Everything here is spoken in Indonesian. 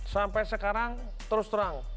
sampai sekarang terus terang